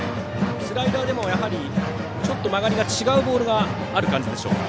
スライダーでもちょっと曲がりが違うボールがある感じでしょうか。